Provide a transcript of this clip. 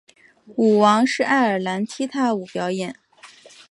舞王是爱尔兰踢踏舞表演。